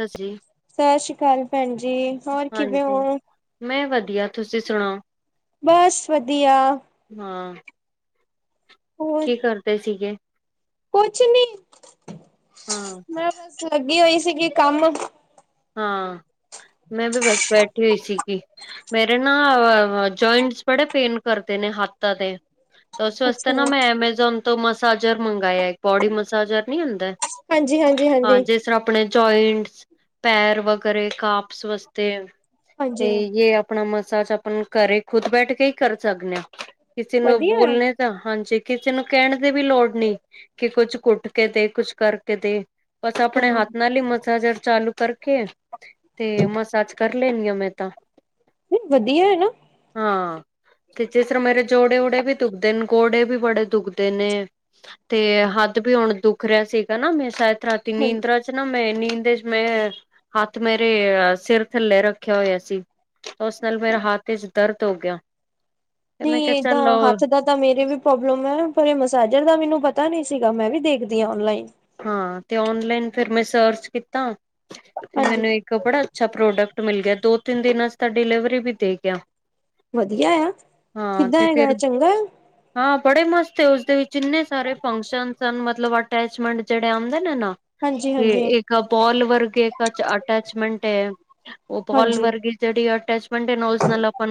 ਹਾਂਜੀ ਸਸ਼ਰੀ ਕਾਲ, ਭੈਣ ਜੀ। ਹੋਰ ਕਿਵੇਂ ਹਾਂਜੀ ਹੋ? ਮੈਂ ਵਧੀਆ, ਤੁਸੀਂ ਸੁਣਾਓ, ਬਸ ਵਧੀਆ ਹਾਂ ਹੋਰ ਕੀ ਕਰਦੇ ਸੀਗੇ? ਕੁਛ ਨੀ, ਹਾਂ ਮੈਂ ਬੱਸ ਲੱਗੀ ਹੋਈ ਸੀਗੀ ਕੰਮ। ਹਾਂ ਮੈਂ ਵੀ ਬਸ ਬੈਠੀ ਹੋਈ ਸੀਗੀ। ਮੇਰੇ ਨਾ ਜਆਇੰਟਸ ਬੜੇ ਪੇਨ ਕਰਦੇ ਨੇ ਹੱਥਾਂ ਦੇ। ਹ [inaudible] ਉਸ ਵਾਸਤੇ ਨਾ ਮੈਂ ਐਮਾਜੋਨ ਤੋਂ ਮਸਾਜਰ ਮੰਗਇਆ ਬੋਡੀ ਮਸਾਜਰ ਨੀ ਹੁੰਦਾ। ਹਾਂਜੀ-ਹਾਂਜੀ- ਹਾਂ ਹਾਂਜੀ। ਜਿਸ ਆਪਣੇ ਜੋਇੰਟਸ ਪੈਰ ਵਗੈਰੇ ਕਾਪਸ ਵਸਤੇ ਹਾਂਜੀ ਤੇ, ਜੇ ਆਪਣਾ ਮਸਾਜ ਆਪਾਂ ਘਰੇ ਖੁਦ ਬੈਠ ਕੇ ਹੀ ਕਰ ਸਕਦੇ ਹਾਂ। ਕਿਸੇ ਨੂੰ ਵਧੀਆ ਹੈ ਬੋਲਣੇ ਹਾਂਜੀ। ਕਿਸੇ ਨੂੰ ਕਹਿਣ ਦੀ ਵੀ ਲੋੜ ਨੀ, ਕਿ ਕੁੱਛ ਘੂਟ ਕੇ ਦੇ ਕੁਛ ਕਰਕੇ ਦੇ। ਬਸ ਆਪਣੇ ਹਾਂ, ਹਾਥ ਨਾਲ ਈ ਮਸਾਜਰ ਚਾਲੂ ਕਰਕੇ, ਤੇ ਮਸਾਰਜ ਕਰ ਲੈਣੀ ਆਂ, ਮੈਂ ਤਾਂ। ਭੀ ਵਧੀਆ ਹੈ ਨਾ ਹਾਂ ਤੇ ਜਿਸ ਤਰ੍ਹਾਂ ਮੇਰੇ ਜੋੜੇ ਔੜੇ ਵੀ ਦੁਖਦੇ ਨੇ, ਘੋਡੇ ਵੀ ਬੜੇ ਦੁਖਦੇ ਨੇ ਤੇ ਹੱਥ ਵੀ ਹੁਣ ਦੁਖ ਰਿਯਾ ਸੀਗਾ ਨਾ, ਮੈਂ ਸ਼ਾਇਦ ਰਾਤ ਹਾਂ ਨੀਂਦਰਾ ਚ ਨਾ ਮੈਂ, ਨੀਂਦ ਇਚ ਮੈਂ ਹੱਥ ਮੇਰੇ ਸਿਰ ਥੱਲੇ ਰੱਖਿਆ ਹੋਇਆ ਸੀ। ਤਾਂ, ਉਸ ਨਾਲ ਮੇਰਾ ਹੱਥ ਵਿੱਚ ਦਰਦ ਹੋ ਗਿਆ। ਤੇ ਵੀ ਮੈਂ ਕਿਹਾ ਚਲੋ ਏਦਾਂ, ਹੱਥ ਦਾ ਤਾਂ, ਮੇਰੇ ਵੀ ਪ੍ਰੋਬਲਮ ਹੈ, ਪਰ ਇਹ ਮਸਾਜਰ ਦਾ ਮੈਨੂੰ ਪਤਾ ਨੀ ਸੀਗਾ, ਮੈਂ ਵੀ ਦੇਖਦੀ ਆਂ, ਔਨਲਾਈਨ। ਹਾਂ, ਤੇ ਓਨਲਾਈਨ ਫਿਰ ਮੈਂ ਸਰਚ ਕੀਤਾ, ਤੇ ਹਾਂਜੀ ਮੈਨੂੰ ਇੱਕ ਬੜਾ ਅੱਛਾ ਪ੍ਰੋਡਕਟ ਮਿਲ ਗਿਆ, ਦੋ ਤਿੰਨ ਦਿਨਾਂ ਚ, ਤਾਂ ਡਿਲੀਵਰੀ ਵੀ ਦੇ ਗਿਆ ਵਧੀਆ ਆ, ਹਾਂ ਕਿੱਦਾਂ ਤੇ ਹੈਗਾ, ਫਿਰ ਚੰਗਾ ਐ ਹਾਂ ਬੜੇ ਮਸਤ, ਉਸਦੇ ਵਿੱਚ ਇੰਨੇ ਸਾਰੇ ਫੰਕਸ਼ਨ ਅਨ, ਮਤਲਬ ਅਟੈਚਮੈਂਟ ਜਿਹੜੇ ਆਉਂਦੇ ਨੇ ਨਾ। ਹਾਂਜੀ ਤੇ ਹਾਂਜੀ ਇੱਕ ਬੋਲ ਵਰਗੇ ਇੱਕ ਅਟੈਚਮੈਂਟ ਹੈ, ਉਹ ਬੋਲ ਹਾਂਜੀ ਵਰਗੇ ਜਿਹੜੀ ਅਟੈਚਮੈਂਟ ਐ, ਉਸ ਨਾਲ ਆਪ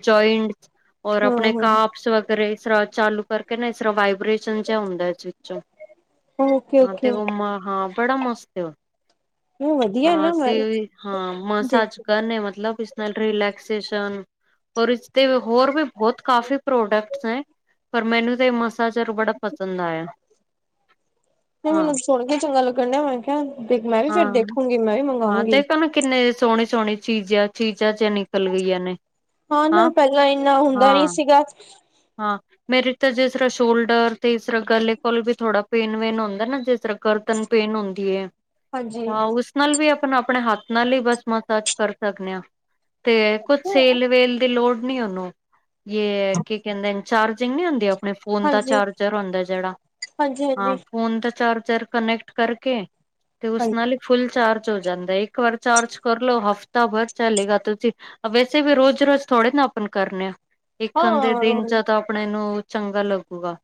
ਜਇੰਟ ਔਰ ਹਾਂ ਆਪਣੇ ਹਾਂ ਕਾਪਸ ਇਸ ਤਰ੍ਹਾਂ ਚਾਲੂ ਕਰਕੇ ਨਾ, ਇਸ ਤਰ੍ਹਾਂ ਵਾਈਬ੍ਰੇਸ਼ਨ ਚ ਹੁੰਦਾ, ਇਸ ਵਿੱਚੋਂ ਓਕੇ ਹਾਂ, ਤੇ ਓਕੇ ਉਹ ਮਹਾ, ਬੜਾ ਮਸਤ ਏ ਉਹ ਵਧੀਆ ਹਾਂ, ਨਾ ਮੈਂ ਤੇ, ਹਾਂ, ਦੇਖ ਮਸਾਰਜ ਕਰਨੇ, ਮਤਲਬ ਤੁਸੀ ਨਾਲ ਰੀਲੈਕਸੇਸ਼ਨ, ਹੋਰ ਇਸਤੇ ਹੋਰ ਵੀ ਬਹੁਤ ਕਾਫ਼ੀ ਪ੍ਰੋਡਕਟਸ ਹੈ। ਪਰ ਮੈਨੂੰ ਤੇ, ਇਹ ਮਸਾਰਜਰ ਬੜਾ ਪਸੰਦ ਆਇਆ ਹਾਂ ਹੁਣ ਕੀ, ਚੰਗਾ ਲੱਗਣ ਡਿਆ, ਮੈਂ ਕੇਹਾ ਦਿ ਮ [inaudible] ਹਾਂ, ਹਾਂ ਦੇਖ ਤਾਂ ਮੈਂ ਕਿੰਨੇ ਸੋਹਣੇ -ਸੋਹਣੇ ਚੀਜ਼ਾਂ -ਚੀਜ਼ਾਂ ਚ ਨਿਕਲ ਗਈਆਂ ਨੇ। ਹਾਂ ਨਾ, ਪਹਿਲਾਂ ਇੰਨਾ ਹੁੰਦਾ ਨੀ ਹਾਂ ਸੀਗਾ ਹਾਂ, ਮੇਰੇ ਤਾਂ ਜਿਸ ਤਰ੍ਹਾਂ ਸ਼ੋਲਡਰ ਤੇ, ਇਸ ਤਰ੍ਹਾਂ ਗਲੇ ਕੋਲ ਵੀ ਥੋੜਾ ਪੇਨ- ਵੇਨ ਹੁੰਦਾ ਨਾ, ਜਿਸ ਤਰ੍ਹਾਂ ਗਰਦਨ ਪੇਨ ਹੁੰਦੀ ਹੈ। ਹਾਂਜੀ। ਹਾਂ, ਉਸ ਨਾਲ ਵੀ, ਆਪਾਂ ਆਪਣੇ ਹੱਥ ਨਾਲ ਇ, ਬਸ ਮਸਾਰਜ ਕਰ ਸਕਦੇਨੇ ਆਂ। ਤੇ, ਕੁੱਝ ਹਾਂਜੀ, ਸੇਲ- ਵੇਲ ਦੀ ਲੋੜ ਨੀ ਉਹਨੂੰ ਯੇ ਕੀ ਕਹਿੰਦੇ ਨੇ, ਚਾਰਜਿੰਗ ਨੀ ਹੁੰਦੀ ਆਪਣੇ ਫੋਨ ਦਾ ਹਾਂਜੀ, ਚਾਰਜਰ ਹੁੰਦਾ ਜਿਹੜਾ, ਹਾਂਜੀ, ਹਾਂ ਫੋਨ ਦਾ ਚਾਰਜਰ ਕਨੈਕਟ ਕਰਕੇ, ਤੇ ਉਸ ਹਾਂਜੀ ਨਾਲ ਫੁੱਲ ਚਾਰਜ ਹੋ ਜਾਂਦਾ, ਇੱਕ ਵਾਰ ਚਾਰਜ ਕਰ ਲਓ, ਹਫ਼ਤਾ ਭਰ ਚਲੇਗਾ, ਤੁਸੀਂ ਵੈਸੇ ਵੀ ਰੋਜ਼ ਰੋਜ਼ ਥੋੜ੍ਹੇ ਨਾ, ਆਪਨ ਕਰਨੇ ਆ, ਇੱਕ ਕਦੇ ਹਾਂ ਤਾਂ, ਆਪਣੇ ਨੂੰ ਚੰਗਾ ਲੱਗੂਗਾ,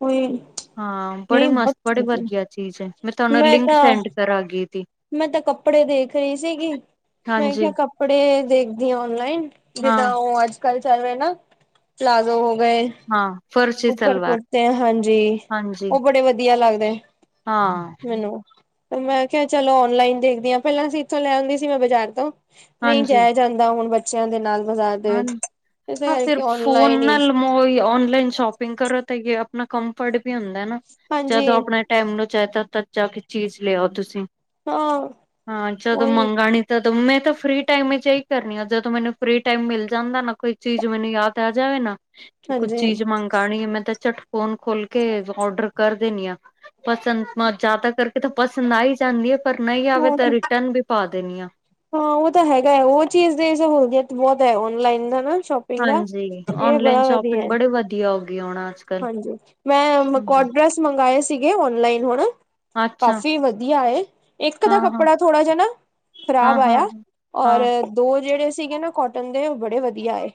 ਕੋਈ ਹਾਂ, ਬੜੇ ਨਹੀਂ ਮਸਤ, ਬਹੁਤ ਬੜੀ ਵਦੀਆ। ਚੀਜ਼ ਹੈ, ਮੈਂ ਤੁਹਾਨੂੰ ਲਿੰਕ ਸੈਂਡ ਕਰਾਂਗੀ ਦੀ ਮੈਂ ਤੇ ਕੱਪੜੇ ਦੇਖ ਰਹੀ ਸੀਗੀ। ਮੈਂ ਹਾਂਜੀ ਕਿਹਾ ਕੱਪੜੇ ਦੇਖਦੀ ਆਂ, ਔਨਲਾਈਨ ਜਿੱਦਾਂ ਹਾਂ ਔ ਅੱਜ ਕੱਲ ਚੱਲ ਰਹੇ ਨਾ, ਪਲਾਜ਼ੋ ਹੋ ਗਏ ਹਾਂ ਫਰਸ਼ੀ ਉਪਰ ਸਲਵਾਰ ਕੁੜਤੇ ਹਾਂਜੀ, ਹਾਂਜੀ ਉਹ ਬੜੇ ਵਧੀਆ ਲੱਗਦੇ ਹਾਂ, ਮੈਨੂੰ ਮੈਂ ਕਿਹਾ, ਚਲੋ ਔਨਲਾਈਨ ਦੇਖਦੀ ਹਾਂ, ਪਹਿਲਾਂ ਅਸੀ ਇਥੋਂ ਲੈਂ ਔਦੀ ਸੀ, ਮੈਂ ਬਾਜ਼ਾਰ ਤੋਂ। ਨਹੀਂ ਹਾਂਜੀ ਜਾਯਾ ਜਾਂਦਾ ਹੁਣ ਬੱਚਿਆਂ ਦੇ ਨਾਲ ਬਾਜ਼ਾਰ ਦੇ ਹਾਂ ਵਿੱਚ, ਇਸੇ ਕਰਕੇ ਔਨਲਾਈਨ ਹੀ ਔਈ ਆਨਲਾਈਨ ਸ਼ੋਪਿੰਗ ਕਰੋ ਤਾਂ, ਯੇ ਆਪਣਾ ਕੰਫਰਟ ਵੀ ਹੁੰਦਾ ਏ ਨਾ, ਹਾਂਜੀ ਜਦੋਂ ਆਪਣਾ ਟਾਈਮ ਨੂੰ ਚਾਹੀਦਾ ਤਦ ਜਾ ਕੇ ਚੀਜ਼ ਲਿਆਓ ਤੁਸੀਂ, ਹਾਂ ਹਾਂ ਜਦੋਂ ਉਹੀ ਮੰਗਣੀ ਦ, ਮੈਂ ਤਾਂ ਫ੍ਰਰੀ ਟਾਈਮ ਵਿੱਚ ਇਹੀ ਕਰਨੀ ਆ, ਜਦੋਂ ਮੈਨੂੰ ਫ੍ਰੀ ਟਾਈਮ ਮਿਲ ਜਾਂਦਾ ਨਾ, ਕੋਈ ਚੀਜ਼ ਮੈਨੂੰ ਯਾਦ ਆ ਜਾਵੇ ਨਾ, ਕਿ ਕੁੱਝ ਹਾਂਜੀ ਚੀਜ਼ ਮੰਗਾਣੀ ਹੈ, ਮੈਂ ਤਾਂ ਝਟ ਫ਼ੋਨ ਖੋਲਕੇ, ਔਡਰ ਕਰ ਦੇਨੀਆਂ। ਪਸੰਦ, ਜਿਆਦਾ ਕਰਕੇ ਤਾਂ ਪਸੰਦ ਆਈ ਜਾਂਦੀ ਏ, ਪਰ ਨਹੀਂ ਆਵੇ ਉਹ ਤਾਂ ਰਿਟਰਨ ਵੀ ਪਾ ਦੇਨੀ ਆ। ਹਾਂ ਉਹ ਤਾਂ ਹੈਗਾ ਏ, ਉਹ ਚੀਜ਼ ਦੀ ਸਹੁਲੀਅਤ ਬਹੁਤ ਐ। ਔਨਲਾਈਨ ਦਾ ਨਾ, ਸ਼ੌਪ ਹਾਂਜੀ। ਔਨਲਾਈਨ ਸ਼ੌਪਿੰਗ ਬੜੀ ਵਧੀਆ ਹੋ ਗਈ ਹੁਣ, ਅੱਜ ਕੱਲ। ਹਾਂਜੀ, ਮੈਂ ਹੂੰ, ਕੌਟ ਡ੍ਰੈਸ ਮੰਗਵਾਏ ਸੀਗੇ, ਔਨਲਾਈਨ ਹੁਣ। ਅੱਛਾ ਕਾਫੀ ਵਧੀਆ ਆਏ, ਇੱਕ ਦਾ ਹਾਂ-ਹਾਂ, ਕੱਪੜਾ ਥੋੜਾ ਜਿਹਾ ਨਾ ਖ਼ਰਾਬ ਹਾਂ-ਹਾਂ, ਆਇਆ, ਔਰ ਹਾਂ ਦੋ ਜਿਹੜੇ ਸੀਗੇ ਨਾ ਕੌਟਨ ਦੇ, ਉਹ ਬੜੇ ਵਧੀਆ ਆਏ।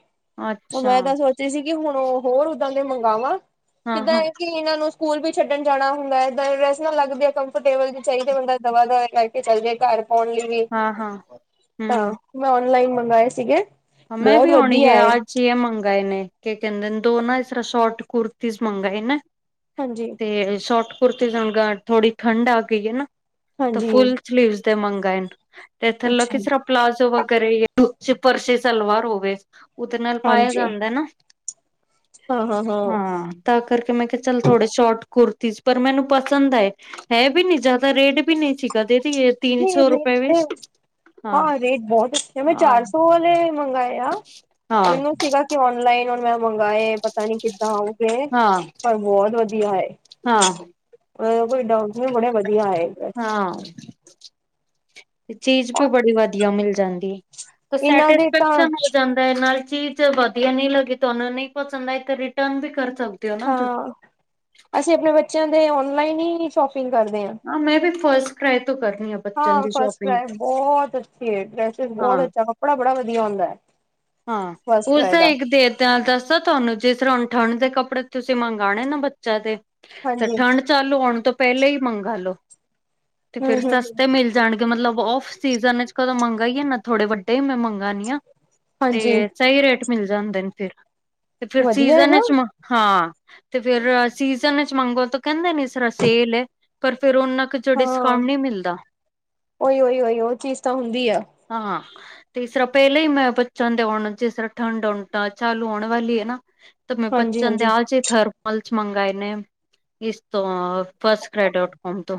ਓ, ਅੱਛਾ ਮੈਂ ਤਾਂ ਸੋਚ ਦੀਸੀ ਕਿ, ਹੁਣ ਹੋਰ ਓਹਦਾਂ ਦੇ ਮੰਗਾਵਾਂ ਕਿੱਦਾਂ ਹਾਂ-ਹਾਂ, ਏ ਕਿ ਇਹਨਾਂ ਨੂੰ ਸਕੂਲ ਵੀ ਛੱਡਣ ਜਾਣਾ ਹੁੰਦਾ ਹੈ, ਇਹਦਾਂ ਦੇ ਡਰੈਸ ਨਾਲ ਲੱਗਦੇ ਆ, ਕੰਫਰਟੇਬਲ ਵੀ ਚਾਹੀਦਾ ਬੰਦਾ ਦਵਾ-ਦਵਾ ਲਾਈ ਚੱਲ ਜੇ ਘਰ ਪਾਉਣ ਲਈ ਵੀ, ਹਾਂ-ਹਾਂ ਤਾਂ। ਹੂੰ ''ਮੈਂ ਔਨਲਾਈਨ ਮੰਗਾਏ ਸੀਗੇ। ਬਹੁਤ ਵੱਦੀਆ ਏ। ਛੇ ਮੰਗਾਏ ਨੇ। ਕੇ ਕਹਿੰਦੇਨ, ਦੋ ਨਾ ਇਸ ਤਰ੍ਹਾਂ ਸ਼ੌਟ ਕੁੁਰਤੀਜ ਮੰਗਾਵਏ ਨਾ ਹਾਂਜੀ। ਤੇ ਸ਼ੌਟ ਕੁੁਰਤੀਜ ਹੁਣ ਗਾ, ਥੋੜੀ ਠੰਡ ਆ ਗਈ ਏ ਨਾ, ਤਾਂ ਹਾਂਜੀ ਫੁਲ ਸਲੀਵਜ ਦੇ ਮੰਗਾਇਨ, ਤੇ ਥਲੋ ਅੱਛਾ ਕਿਸਰਾ ਪਲਾਜ਼ੋ, ਵਗੈਰਾ ਯੇ ਫਰਸ਼ੀ ਸਲਵਾਰ ਹੋਵੇ, ਉਹਦੇ ਨਾਲ ਪਾਇਆ ਹਾਂਜੀ ਜਾਂਦਾ ਨਾ, ਹਾਂ ਹਾਂ ਹਾਂ। ਤਾ ਕਰਕੇ ''ਮੈਂ ਕਿਹਾ ਚੱਲ ਥੋੜੇ ਸ਼ੌਰਟ ਕੁੁਰਤੀਜ, ਪਰ ਮੈਨੂੰ ਪਸੰਦ ਆਏ। ਹੈ ਬੀ ਨੀ, ਜ਼ਿਆਦਾ ਰੇਟ ਵੀ ਨਹੀਂ ਸੀਗਾ, ਦੇਦੀ ਇਹ ਤਿੰਨ ਨਹੀਂ ਸੌ ਰੁਪਏ ਰੇਟ ਬ ਵਿੱਚ ਹਾਂ ਰੇਟ ਬਹੁਤ ਅੱਛੇ ਆ, ਮੈਂ ਹਾਂ ਚਾਰ-ਸੋ ਵਾਲੇ ਮੰਗਾਏ ਆ। ਹਾਂ ਮੈਨੂੰ ਸੀਗਾ, ਕਿ ਔਨਲਾਈਨ ਹੁਣ ਮੈਂ ਮੰਗਾਏ ਪਤਾ ਨੀ ਕਿੱਦਾਂ ਆਊਗੇ, ਹਾਂ ਪਰ ਬਹੁਤ ਵਧੀਆ ਆਏ। ਹਾਂ ਕੋਈ ਡਾਊਟ ਨੀ, ਬੜੇ ਵਧੀਆ ਆਏ। ਹਾਂ। ਚੀਜ਼ ਬੀ ਔਰ ਬੜੀ ਵਧੀਆ ਮਿਲ ਜਾਂਦੀ, ਇਹਨਾਂ ਦੇ ਤਾਂ ਸੈਟਿਸਫੈਕਸ਼ਨ ਹੋ ਜਾਂ ਦਾ, ਤੇ ਨਾਲ ਚੀਜ਼ ਵਧੀਆ ਨਈ ਲੱਗੀ ਤੁਹਾਨੂੰ ਨਈ ਪਸੰਦ ਆਈ ਤੇ, ਰਿਟਰਨ ਵੀ ਕਰ ਸਕ ਹਾਂ। ਅਸੀਂ ਆਪਣੇ ਬੱਚਿਆਂ ਦੇ ਔਨਲਾਈਨ ਹੀ ਸ਼ੌਪਿੰਗ ਕਰਦੇ ਆਂ। ਹਾਂ ਮੈਂ ਵੀ ਫਸਟ ਟਰਾਈ ਤੋਂ ਕਰਨੀ ਆ ਬੱਚਨ ਹਾਂ, ਦੀ ਸ਼ੋਪਿੰਗ ਫਸਟਕ੍ਰਾਏ ਬਹੁਤ ਅੱਛੀ ਏ, ਡੈਸਿਸ ਬਹੁਤ ਹਾਂ ਅੱਛਾ ਕੱ ਕਪੜਾ ਬੜਾ ਵਧੀਆ ਹੋਂਦੈ। ਹਾਂ, ਉਸਦਾ ਇੱਕ ਦੇਰ ਤਾਂ ਦੱਸਾ‌ ਤੁਹਾਨੂੰ, ਜਿਸ ਤਰਾ ਠੰਡ ਦੇ ਕੱਪੜੇ ਤੁਸੀਂ ਮੰਗਾਣੇ ਨਾ ਬੱਚਿਆਂ ਦੇ, ਤੇ ਹਾਂਜੀ ਠੰਡ ਚਾਲੁ ਹੋਣ ਤੋਂ ਪਹਿਲੇ ਹੀ ਮੰਗਾਲੋ, ਤੇ ਹੂੰ ਫਿਰ ਹੂੰ ਹੂੰ ਸਸਤੇ ਮਿਲ ਜਾਣਗੇ, ਮਤਲਬ ਔਫ-ਸੀਜ਼ਨ'ਚ ਕਦੋਂ ਮੰਗਾਈਏ ਨਾ, ਥੋੜੇ ਵੱਡੇ ਹੀ ਮੈਂ ਮੰਗਾਨੀ ਆਂ। ਹਾਂਜੀ ਤੇ, ਸਹੀ ਰੇਟ ਮਿਲ ਜਾਂਦੇ ਨ ਫਿਰ, ਤੇ ਫਿਰ ਵਧੀਆ ਹੈ ਨਾ ਸੀਜ਼ਨ'ਚ, ਹਾਂ ਤੇ ਫਿਰ, ਸੀਜਨ'ਚ ਮੰਗੋ ਤਾਂ ਕਹਿੰਦੇ ਨ ਇਸ ਰਾ ਸੇਲ ਏ, ਪਰ ਫੇਰ ਉਹਨਾਂ ਕ ਚ ਹਾਂ ਡਿਸਕਾਉਂਟ ਨਹੀਂ ਮਿਲਦਾ। ਉਹੀ ਉਹੀ ਉਹੀ ਉਹ ਚੀਜ਼ ਤਾਂ ਹੁੰਦੀ ਆ ਹਾਂ, ਤੇ ਇਸਰਾ ਪਹਿਲੇ ਹੀ ''ਮੈਂ ਬੱਚਿਆਂ ਦੇ ਹੁਣ, ਜਿਸਰਾਂ ਠੰਡ ਹੁਣ ਤਾ ਚਾਲੂ ਹੋਣ ਵਾਲੀ ਏ ਨਾ, ਤਾ ''ਮੈਂ ਹਾਂਜੀ ਬੱਚਿਆਂ ਦੇ ਹਾਂਜੀ ਆਜ ਥਰਮਲਸ ਮੰਗਾਏ ਨੇ, ਇਸ ਤੋਂ ਫਸਟ ਕ੍ਰਾਇ ਡੋਟ ਕੌਮ ਤੋਂ।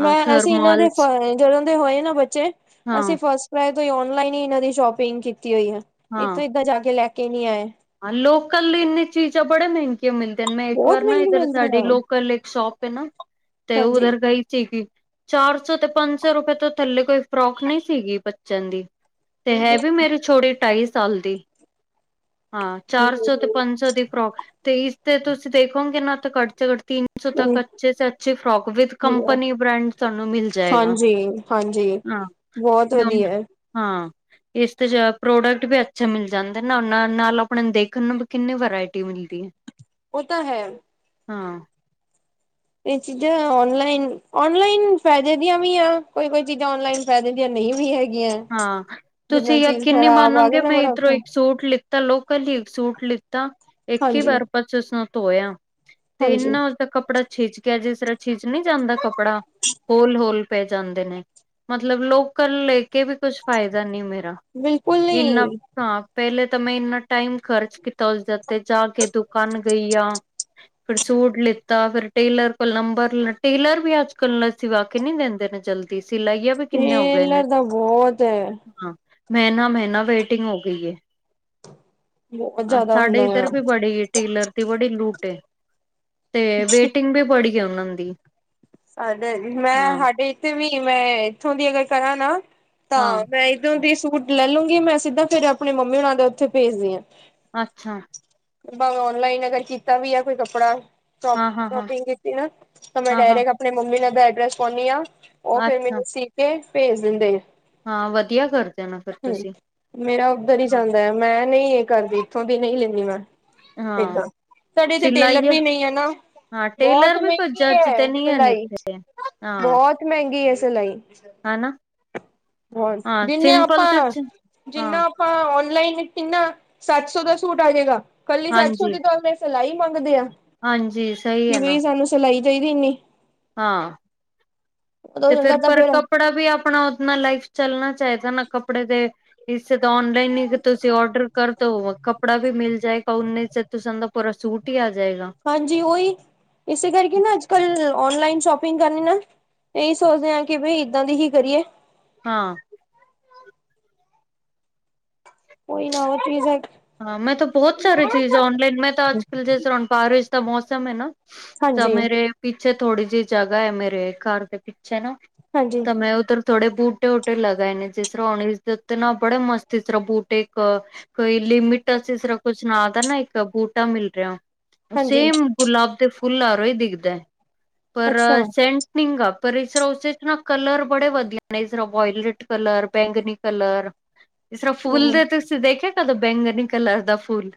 ਹਾਂ ਮੈਂ, ਅਸੀਂ ਇਹਨਾਂ ਦੇ ਥਰਮਲਸ ਫ--ਜਦੋਂ ਦੇ ਹੋਏ ਨਾ ਬੱਚੇ, ਹਾਂ ਅਸੀਂ ਫਸਟ ਕ੍ਰਾਇ ਤੋ ਈ ਔਨਲਾਈਨ ਹੀ ਇਹਨਾਂ ਦੀ ਸ਼ੋਪਿੰਗ ਕੀਤੀ ਹੋਈ ਐ, ਇਥੋਂ ਇਦਾਂ ਜਾਕੇ ਲੈਕੇ ਨੀ ਆਏ। ਅਨ, ਲੋਕਲ ਇੰਨੇ ਚੀਜ਼ਾਂ ਬੜੇ ਮਹਿੰ ਗੇ ਮਿਲਦੇਨ, 'ਮੈਂ' ਇੱਕ ਬਹੁਤ ਵਾਰ ਨਾ ਮਹਿੰਗੀ ਇੱਧਰ ਮਿਲਦੀ ਸਾਡੀ ਆ ਲੋਕਲ ਇੱਕ ਸ਼ੌਪ ਏ ਨਾ ਤੇ, ਹਾਂਜੀ। ਉਧਰ ਗਈ ਚੀਗੀ। ਚਾਰ ਸੋ, ਤੇ ਪੰਜ ਸੋ ਰੁਪਏ ਤੋਂ ਥੱਲੇ ਕੋਈ ਫ੍ਰੌਕ ਨਹੀਂ ਸੀਗੀ ਬੱਚਿਆਂ ਦੀ। ਤੇ, ਹੈਵੀ ਮੇਰੀ ਛੋਡੀ ਢਾਈ ਸਾਲ ਦੀ। ਹਾਂ, ਚਾਰ-ਸੋ ਤੇ ਪੰਜ-ਸੌ ਦੀ ਫ੍ਰੌਕ ਤੇ ਇਸ ਤੇ ਤੁਸੀਂ ਦੇਖੋਗੇ ਨਾ, ਤੇ ਘੱਟ ਸੇ ਘੱਟ ਤਿੰਨ ਨ ਸੋ ਤਕ ਅੱਛੇ ਸੇ ਅੱਛੇ ਫ੍ਰੌਕ, ਵਿਥ ਕੰਪਨੀ ਬ੍ਰੈਂਡ ਤੁਹਾਂਨੂੰ ਮਿਲ ਜਾਏਗਾ, ਹਾਂਜੀ ਹਾਂਜੀ ਹਾਂ। ਬਹੁਤ ਮੈਂ ਵਧੀਆ ਏ। ਹਾਂ, ਇਸਤੇ ਪ੍ਰੋਡਕਟ ਵੀ ਅੱਛੇ ਮਿਲ ਜਾਂਦੇਨ ਨਾ ਨਾਲ-ਨਾਲ ਆਪਣੇਨ ਦੇਖਣ ਨੂੰ ਵੀ ਕਿੰਨੀ ਵਰਾਇਟੀ ਮਿਲਦੀ ਏ। ਉਹ ਤਾਂ ਹੈ ਹਾਂ। ਇਹ ਚੀਜ਼ਾਂ ਔਨਲਾਈਨ ਔਨਲਾਈਨ ਫਾਇਦੇ ਦੀਆਂ ਵੀ ਆ ਕੋਈ-ਕੋਈ ਚੀਜ਼ਾਂ ਔਨਲਾਈਨ ਫੈਦੇਦੀਆਂ ਨਹੀਂ ਵੀ ਹੈਗੀਆਂ ਹਾਂ ਜਿੱਦਾਂ ਤੁਸੀਂ ਚੀਜ਼ ਯਕੀਨ ਖਰਾਬ ਆ ਗਈ ਮੰਨੋਗੇ ਨਾ ਮੈਂ ਬੜਾ ਇੱਧਰੋਂ ਔਖਾ ਇੱਕ ਸੂਟ ਲਿੱਤਾ ਲੋਕਲ ਹੀ ਇੱਕ ਸੂਟ ਲਿੱਤਾ ਇੱਕ ਹੀ ਹਾਂਜੀ ਵਾਰ ਬ ਸ ਉਸਨੂੰ ਧੋਇਆ ਤੇ ਹਾਂਜੀ ਇੰਨਾ ਉਸਦਾ ਕੱਪੜਾ ਛਿੱਚ ਗਿਆ ਜਿਸ ਤਰ੍ਹਾਂ ਛੀਜ ਨਹੀਂ ਜਾਂਦਾ ਕਪੜਾ ਹੋਲ-ਹੋਲ ਪੈ ਜਾਂਦੇ ਨੇ ਮਤਲਬ ਲੋਕਲ ਕੇ ਵੀ ਕੁਛ ਫਾਇਦਾ ਨੀ ਮੇਰਾ। ਬਿਲਕੁਲ ਇੰਨਾ ਨਹੀਂ ਹਾਂ, ਪੇਲੇ ਤਾਂ ਮੈਂ ਇੰਨਾ ਟਾਈਮ ਖਰਚ ਕੀਤਾ ਉਸਦੇ ਉੱਤੇ ਜਾਕੇ ਦੁਕਾਨ ਗਈਆ ਫਿਰ ਸੂਟ ਲਿੱਤਾ ਫਿਰ ਟੇਲਰ ਕੋਲ ਨੰਬਰਟੇਲਰ ਵੀ ਅੱਜ-ਕਲ ਸਿਵਾ ਕੇ ਨਹੀਂ ਦਿੰਦੇ ਨੇ ਜਲਦੀ ਸਿਲਾਈਆਂ ਵੀ ਤੇਲਰ ਦਾ ਬਹੁਤ ਹੈ ਹਾਂ, ਮ੍ਹੈਨਾ-ਮ੍ਹੈਨਾ ਵੇਟਿੰਗ ਹੋ ਗਈ ਏ। ਬਹੁਤ ਅੱਛਾ! ਜ਼ਿਆਦਾ ਸਾਡੇ ਹੁੰਦਾ ਆ। ਇੱਧਰ ਵੀ ਬੜੇ ਹੀ ਟੇਲਰ ਤੇ ਬੜੀ ਲੂਟ ‌ਏ, ਤੇ ਵੇਟਿੰਗ ਵੀ ਬੜੀ ਆ ਉਹਨਾਂ ਦੀ। ਸਾਡੇ ਹੈਗੀ ਹਾਂ ''ਮੈਂ ਇੱਥੇ ਵੀ ਮੈਂ ਇੱਥੋਂ ਦੀ ਅਗਰ ਕਰਾਂ ਨਾ ਤਾਂ ਹਾਂ ਮੈਂ ਜਦੋਂ ਦੀ ਸੂਟ ਲੈ ਲੂਗੀ ਮੈਂ ਸਿੱਧਾ ਫੇਰ ਆਪਣੀ ਮੰਮੀ ਉਹਨਾਂ ਦੇ ਉੱਥੇ ਭੇਜਦੀ ਆਂ ਅੱਛਾ! ਭਾਵੇਂ ਔਨਲਾਈਨ ਅਗਰ ਕੀਤਾ ਵੀ ਆ ਕੋਈ ਕੱਪੜਾ ਸ਼ੌ ਹਾਂ ਹਾਂ ਹਾਂ ਸ਼ੋਪਿੰਗ ਕੀਤੀ ਨਾ, ਤਾਂ ਮੈਂ ਹਾਂ ਹਾਂ ਡਾਇਰੈਕਟ ਆਪਣੀ ਮੰਮੀ ਨਾ ਦਾ ਐਡਰੈਸ ਪਾਉਂਦੀ ਆਂ ਉਹ ਫਿਰ ਅੱਛਾ ਮੈਨੂੰ ਸੀਕੇ ਭੇਜ ਦਿੰਦੇ ਨੇ। ਹਾਂ ਵਧੀਆ ਕਰਦੇ ਨਾ ਫਿਰ ਹੂੰ, ਤੁਸੀਂ ਮੇਰਾ ਉੱਧਰ ਹੀ ਹਾਂ ਜਾੰਦਾ ਆ ਮੈਂ ਨਹੀਂ ਇਹ ਕਰਦੀ ਇੱਥੋਂ ਦੀ ਨਹੀਂ ਲੈਂਦੀ ਮੈਂ ਏਦਾਂ! ਹਾਂ ਸਾਡੇ ਇੱਥੇ ਟੇਲਰ ਵੀ ਨਹੀਂ ਹੈ ਨਾ, ਹਾਂ ਬਹੁਤ ਟੇਲਰ ਵੀ ਕੋਈ ਮਹਿੰਗੀ ਜੱਜ ਹੈ ਤੇ ਨਹੀਂ ਨੀ ਹਨ ਸਿਲਾਈ ਇੱਥੇ ਹਾਂ ਬਹੁਤ ਮਹਿੰਗੀ ਹੈ ਸਿਲਾਈ ਹਨਾ। ਹੁਣ ਹਾਂ ਜਿੰਨੇ ਸਿੰਪਲ ਤੇ ਆਪਾਂ ਚ- ਜਿੰਨਾ ਹਾਂ ਔਨਲਾਈਨ ਕਿੰਨਾ ਸੱਤ-ਸੌ ਦਾ ਸੂਟ ਆ ਜਾਏਗਾ ਕੱਲੀ ਸੱਤ-ਸੌ ਹਾਂਜੀ ਦੀ ਤੁਹਾਂਨੂੰ ਮੈ ਸਿਲਾਈ ਮੰਗਦੇ ਆ ਹਾਂਜੀ ਸਹੀ ਕਿ ਹੈ ਨਾ ਬਈ ਸਾਨੂੰ ਸਿਲਾਈ ਚਾਹੀਦੀ ਇਨੀ ਹਾਂ ਤੇ ਫਿਰ ਚੰਗਾ ਤਾਂ ਪਰ ਫੇਰ ਕਪੜਾ ਵੀ ਆਪਣਾ ਉਹਨਾ ਲਾਈਟ ਚੱਲਣਾ ਚਾਹੀਦਾ ਨਾ ਕੱਪੜੇ ਤੇ ਇਸੇ ਤਾਂ ਔਨਲਾਈਨ ਹੀ ਤੁਸੀਂ ਔਡਰ ਕਰ ਦੋ ਕਪੜਾ ਵੀ ਮਿਲ ਜਾਏਗਾ, ਉੱਨੇ'ਚ ਤੁਸਾ ਦਾ ਪੂਰਾ ਸੂਟ ਹੀ ਆ ਜਾਏਗਾ। ਹਾਂਜੀ ਓਹੀ ਇਸੇ ਕਰਕੇ ਨਾ ਅੱਜ-ਕੱਲ ਔਨਲਾਈਨ ਸ਼ੋਪਿੰਗ ਕਰਨੀ ਨਾ ਇਹੀ ਸੋਚਦੇ ਆਂ ਕੀ ਭਈ ਇੱਦਾਂ ਦੀ ਹੀ ਕਰੀਏ। ਹਾਂ। ਕੋਈ ਨਾ ਉਥੇ ਹੀ ਸਿੱਖ ਹਾਂ ਮੈਂ ਤਾਂ ਬਹੁਤ ਸਾਰੇ ਚੀਜ਼ ਔਨਲਾਈਨ ਮੈਂ ਤਾਂ ਅੱਜ ਕੱਲ ਜ ਤਰ ਬਾਰਿਸ਼ ਦਾ ਮੌਸਮ ਹੈ ਨਾ ਤਾ ਹਾਂਜੀ ਮੇਰੇ ਪਿਛੇ ਥੋੜ੍ਹੀ ਜਿਹੀ ਜਗ੍ਹਾ ਹੈ। ਮੇਰੇ ਘਰ ਦੇ ਪਿੱਛੇ। ਛੈ ਨਾ ਹਾਂਜੀ ਤ ਮੈਂ ਓਧਰ ਥੋੜੇ ਬੂਟੇ-ਵੂਟੇ ਲਗਾਏ ਨੇ, ਜਿਸ ਤਰ੍ਹਾਂ ਹੁਣ ਇਸ ਦੇ ਉਤੇ ਨਾ ਬੜੇ ਮਸਤ ਇਸ ਤਰ੍ਹਾਂ ਬੂਟੇ ਕੋਈ ਲਿਮੀਟਸ ਈਸਰਾਂ ਕੁਝ ਨਾਂ ਦਾ ਨਾ ਇੱਕ ਬੂਟਾ ਮਿਲ ਰਿਹਾ ਹੁਨ, ਹਾਂਜੀ ਸੇਮ ਗੁਲਾਬ ਦੇ ਫੁੱਲ ਆਰੋ ਹੀ ਦਿਖਦਾ ਪਰ ਅੱਛਾ ਸੈਂਟ ਨਹੀਂਗਾ ਪਰ ਇਸ ਰਾ ਉਸ'ਚ ਨਾ ਕਲਰ ਬੜੇ ਵਧੀਆ ਨੇ, ਇਸਰਾ ਵੌਇਲੇਟ ਕਲਰ, ਬੈਂਗਨੀ ਕਲਰ ਇਸ ਤਰ੍ਹਾਂ ਫੂਲ ਹਮ ਦੇ ਤੁਸੀਂ ਦੇਖਿਆ, ਕਦੋ ਬੈਂਗਨੀ ਕਲਰ ਦਾ ਫੂਲ।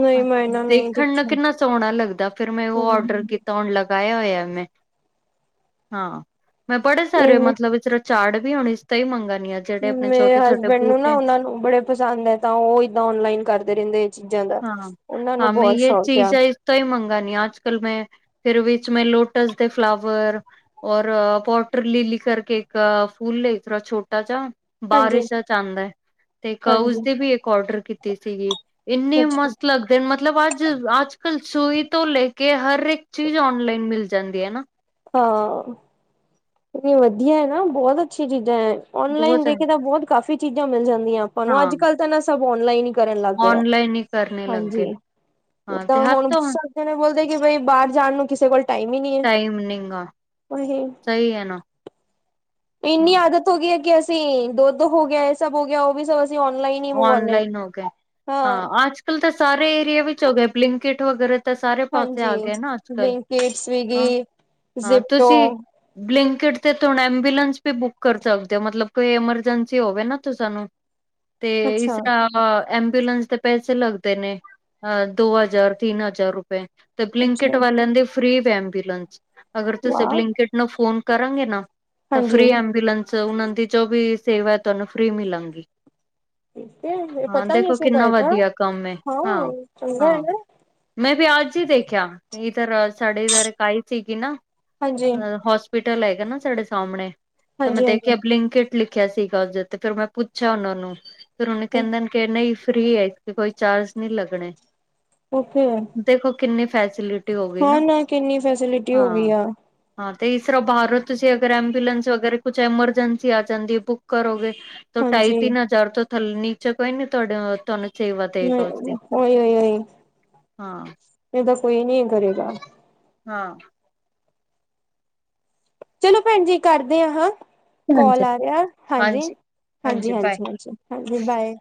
ਨਹੀਂ ਮੈਂ ਨਾ ਨਹੀਂ ਦੇਖਣ ਨੂੰ ਦੇਖਿਆ ਕਿੰਨਾ ਸੋਹਣਾ ਲੱਗਦਾ ਫਿਰ ਮੈਂ ਉਹ ਹਮ ਔਡਰ ਹਮ ਕੀਤਾ ਔਨਲਾਈਨ ਗਾਇਆ ਹੋਇਆ ਮੈਂ ਹਾਂ ਮੈਂ ਬੜੇ ਸਾਰੇ ਹਮ ਮਤਲਬ ਇਸ ਝਾੜ ਵੀ ਹੁਣ ਇਸਤਾ ਹੀ ਮੰਗਨੀਆ। ਮੇਰੇ ਹਸਬੈਂਡ ਨੂੰ ਨਾ ਉਹਨਾ ਨੂੰ ਬੜੇ ਪਸੰਦ ਐ, ਤਾਂ ਉਹ ਏਦਾਂ ਔਨਲਾਈਨ ਕਰਦੇ ਰਹਿੰਦੇ। ਚੀਜ਼ਾਂ ਦਾ, ਉਹਨਾਂ ਨੂੰ ਬਹੁਤ ਸ਼ੌਕ ਆ। ਤੋਂ ਹੀ ਮੰਗਾਨੀ ਆ, ਅੱਜ-ਕੱਲ ਮੈਂ ਫੇਰ ਵਿਚ ਮੈਂ ਲੋਟਸ ਦੇ ਫਲਾਵਰ ਔਰ, ਪੌਟਰ ਲੀਲੀ ਕਰਕੇ ਇੱਕ ਫੂਲ ਏ, ਇਤਰਾਂ ਛੋਟਾ ਜਾ ਹਾਂਜੀ ਬਾਰਿਸ਼ਾਂ ਚ ਆਂਦਾ, ਤੇ ਕਊਜ਼ ਹਾਂਜੀ ਤੇ ਵੀ ਇੱਕ ਔਡਰ ਕੀਤੀ ਸੀਗੀ। ਇੰਨੇ ਅੱਛਾ ਮਸਤ ਲੱਗ ਫਿਰ ਮਤਲਬ ਅੱਜ, ਅੱਜ-ਕੱਲ ਸੂਈ ਤੋ ਲੇਕੇ ਹਰ ਇੱਕ ਚੀਜ਼ ਔਨਲਾਈਨ ਮਿਲ ਜਾਂਦੀ ਏ ਨਾ। ਹਾਂ। ਵਧੀਆ ਹੈ ਨਾ, ਬਹੁਤ ਅੱਛੀਆਂ ਚੀਜ਼ਾਂ ਐ, ਔਨਲਾਈਨ ਬਹੁਤ ਹੈ ਦੇਖੇ ਤਾਂ ਬਹੁਤ ਕਾਫ਼ੀ ਚੀਜ਼ਾਂ ਮਿਲ ਜਾਂਦੀਆਂ। ਆਪਾਂ ਨੂੰ ਹਾਂ ਅੱਜ-ਕੱਲ ਤਾਂ ਨਾ ਸਭ ਔਨਲਾਈਨ ਹੀ ਕਰਨ ਲੱਗ ਗਏ ਆ। ਕਰਨੇ ਲਗ ਹਾਂਜੀ। ਗਏ। ਏਦਾਂ ਹੁਣ ਸਾਰੇ ਜਣੇ ਬੋਲਦੇ, ਕਿ ਬਈ ਬਾਹਰ ਜਾਣ ਨੂੰ ਕਿਸੇ ਕੋਲ ਟਾਈਮ ਈ ਨਹੀਂ ਏ। ਟਾਈਮ ਨੀਂ ਗਾ। ਓ ਹੇ ਸਹੀ ਐ ਨਾ। ਇੰਨੀ ਆਦਤ ਹੋ ਗਈ ਏ ਕਿ ਅਸੀਂ ਦੁੱਧ ਹੋ ਗਿਆ, ਇਹ ਸਭ ਹੋ ਗਿਆ, ਉਹ ਵੀ ਸਭ ਅਸੀਂ ਔਨਲਾਈਨ ਹੀ ਮੰਗਵਾਉਂਦੇ ਔਨਲਾਈਨ ਹੋ ਗਏ, ਹਾਂ ਅੱਜ-ਕੱਲ ਤਾਂ ਸਾਰੇ ਏਰੀਏ ਵਿੱਚ ਹੋ ਗਏ, ਬਲਿੰਕਟ ਵਗੈਰਾ ਤਾਂ ਸਾਰੇ ਪਾਸੇ ਹਾਂਜੀ ਆ ਗਏ ਨਾ ਅੱਜ-ਕੱਲ, ਬਲਿੰਕਿਟ ਸਵਿਗੀ ਹਾਂ-ਹਾਂ, ਜ਼ਿਪਟੋ ਤੁਸੀਂ ਬਲਿੰਕਟ ਤੇ ਹੁਣ ਐਬੂਲੈਂਸ ਵੀ ਬੁੱਕ ਕਰ ਸਕਦੇ ਹੋ, ਮਤਲਬ ਕੋਈ ਐਮਰਜੈਂਸੀ ਹੋਵੇ ਨਾ, ਤੁਸੀ ਸਾਨੂੰ ਤੇ ਇਸ ਅੱਛਾ ਨਾ ਹਾਂ ਐਂਬੂਲੈਂਸ ਤੇ ਪੈਸੇ ਲੱਗਦੇ ਨੇ, ਅ ਦੋ ਹਜ਼ਾਰ, ਤਿੰਨ ਹਜ਼ਾਰ ਰੁਪਏ ਅੱਛਾ ਬਲਿੰਕਿਟ ਵਾਲਿਆਂ ਦੇ ਫ੍ਰੀ ਵੇ ਐਬੂਲੈਂਸ, ਅਗਰ ਤੁਸੀਂ ਵਾਹ ਬਲਿੰਕਿਟ ਨੂੰ ਫੋਨ ਕਰੋਗੇ ਨਾ ਤਾਂ ਹਾਂਜੀ ਫਰੀ ਐਂਬੂਲੈਂਸ ਉਹਨਾਂ ਦੀ ਜੋ ਵੀ ਸੇਵਾ ਐ, ਤੁਹਾਨੂੰ ਫ੍ਰਰੀ ਮਿਲਾਂਗੀ। ਠੀਕ ਹੈ ਹਾਂ ਪਤਾ ਨਹੀਂ ਦੇਖੋ, ਸੀਗਾ ਕਿੰਨਾ ਇਹ ਤਾਂ ਵਧੀਆ ਕੰਮ ਏ, ਹਾਂ ਚੰਗਾ ਹੈ ਹਾਂ-ਹਾਂ। ਨਾ ਮੈਂ ਵੀ ਅੱਜ ਹੀ ਦੇਖਿਆ, ਇਧਰ ਸਾਡੇ ਇਧਰ ਇੱਕ ਆਈ ਸੀਗੀ ਨਾ। ਹਾਂਜੀ ਹੋਸਪੀਟਲ ਹੈਗਾ ਨਾ ਸਾਡੇ ਸਾਹਮਣੇ, ਤਾਂ ਮੈਂ ਹਾਂਜੀ ਦੇਖਿਆ ਹਾਂਜੀ ਬਲਿੰਕਿਟ ਲਿਖਿਆ ਸੀਗਾ ਉਸਦੇ ਉੱਤੇ, ਫਿਰ ਮੈਂ ਪੁੱਛਿਆ ਉਹਨਾਂ ਨੂੰ। ਫਿਰ ਉਹਨੇ ਕਹਿੰਦਾ ਕਿ ਨਈ ਫ੍ਰਰੀ ਐ, ਇਸ ਤੇ ਕੋਈ ਚਾਰਜ ਨੀ ਲਗਣੇ। ਓਕੇੇ ਐ। ਦੇਖੋ ਕਿੰਨੇ ਫੈਸਲਿਟ ਹੁਣ ਕਿੰਨੀ ਫੈਸੀਲਿਟੀ ਹੋ ਗਈ ਆ। ਹਾਂ, ਤੇ ਇਸ ਤਰ੍ਹਾਂ ਬਾਹਰੋ ਤੁਸੀਂ ਅਗਰ ਐਬੂਲੈਂਸ ਵਗੈਰਾ ਕੁਛ ਐਮਰਜੈਂਸੀ ਆ ਜਾਂਦੀ ਏ, ਬੁੱਕ ਕਰੋਗੇ ਤੇ ਹਾਂਜੀ ਢਾਈ-ਤਿੰਨ ਹਜ਼ਾਰ ਤੋਂ ਥੱਲੇ ਨੀਚੇ ਕੋਈ ਨੀ ਤੁਹਾਡੇ, ਤੁਹਾਨੂੰ ਸੇਵਾ ਦੇਗਾ ਉਸਦੀ ਹੂੰ, ਓਹੀ-ਓਹੀ, ਹਾਂ ਇਹ ਤਾਂ ਕੋਈ ਨਹੀਂ ਕਰੇਗਾ। ਹਾਂ। ਚਲੋ ਭੈਣ ਜੀ, ਕਰਦੇ ਆ ਹਾਂ। ਕੌਲ ਹਾਂਜੀ ਆ ਰਿਹਾ, ਹਾਂਜੀ ਹਾਂਜੀ ਬਾਏ ਹਾਂਜੀ-ਹਾਂਜੀ-ਹਾਂਜੀ-ਹਾਂਜੀ-ਹਾਂਜੀ, ਬਾਏ।